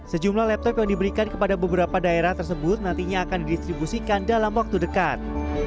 sejumlah laptop yang diberikan kepada beberapa daerah tersebut nantinya akan didistribusikan dalam waktu dekat